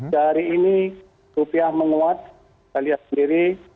dari ini rupiah menguat kita lihat sendiri